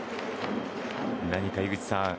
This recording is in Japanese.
何か井口さん